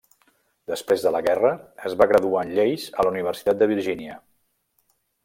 Després de la guerra es va graduar en lleis a la Universitat de Virgínia.